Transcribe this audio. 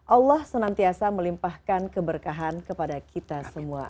allah senantiasa melimpahkan keberkahan kepada kita semua